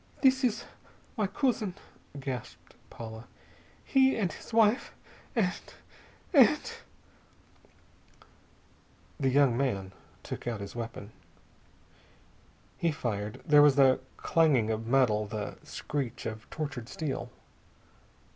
"This is my cousin," gasped Paula. "He and his wife and and "The young man took out his weapon. He fired. There was a clanging of metal, the screech of tortured steel.